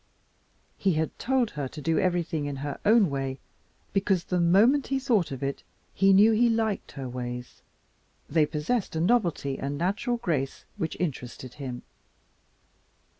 He had told her to do everything in her own way because the moment he thought of it he knew he liked her ways. They possessed a novelty and natural grace which interested him.